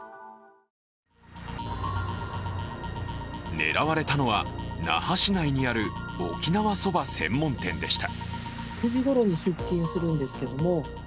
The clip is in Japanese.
狙われたのは那覇市内にある沖縄そば専門店でした。